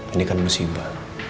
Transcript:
ini kan musibah